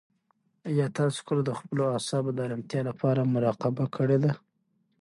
آیا تاسو کله د خپلو اعصابو د ارامتیا لپاره مراقبه کړې ده؟